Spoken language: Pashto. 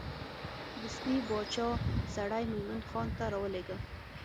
دستې باچا سړی مومن خان ته راولېږه.